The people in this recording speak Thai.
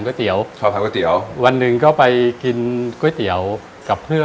สวัสดีครับพี่กรคุณนัทสวัสดีครับผม